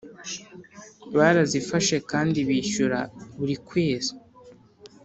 barazifashe kandi bishyura buri kwezi